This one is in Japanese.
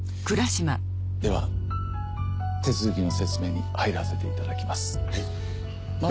では手続きの説明に入らせていただきます。